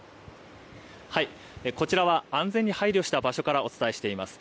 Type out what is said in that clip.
こちらは安全に配慮した場所からお伝えしています。